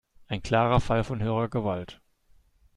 Ein klarer Fall von höherer Gewalt.